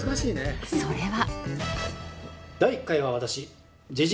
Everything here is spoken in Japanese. それは。